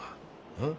うん？